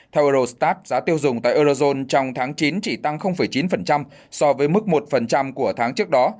theo eurostat giá tiêu dùng tại eurozone trong tháng chín chỉ tăng chín so với mức một của tháng trước đó